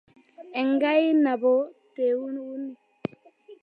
Enkai nabo te uni